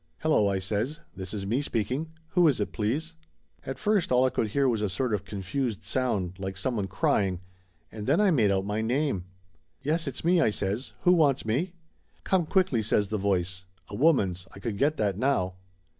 "Hello !" I says. "This is me speaking. Who is it, please ?" At first all I could hear was a sort of confused sound, like someone crying. And then I made out my name. "Yes, it's me!" I says. "Who wants me?" "Come quickly!" says the voice. A woman's, I could get that now.